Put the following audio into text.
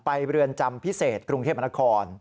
ไปเรือนจำพิเศษกรุงเทพมค